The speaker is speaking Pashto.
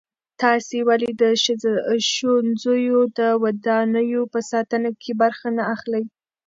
تاسې ولې د ښوونځیو د ودانیو په ساتنه کې برخه نه اخلئ؟